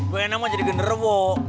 ibu endang mau jadi gendero kok